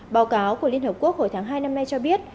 báo cáo của liên hợp quốc hồi tháng hai năm nay cho biết